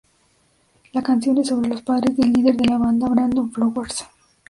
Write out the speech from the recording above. La canción es sobre los padres del líder de la banda, Brandon Flowers.